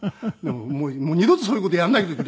「もう二度とそういう事やらないでくれ！」